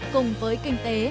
cùng với kinh tế